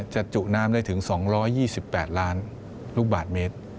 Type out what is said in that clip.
จุน้ำได้ถึง๒๒๘ล้านลูกบาทเมตร